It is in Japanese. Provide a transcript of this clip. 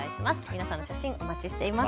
皆さんのお写真、お待ちしています。